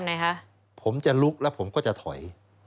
ไหนคะผมจะลุกแล้วผมก็จะถอย